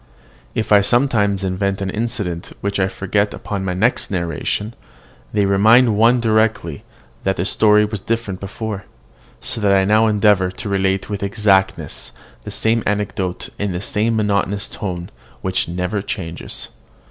If I sometimes invent an incident which I forget upon the next narration, they remind one directly that the story was different before; so that I now endeavour to relate with exactness the same anecdote in the same monotonous tone, which never changes.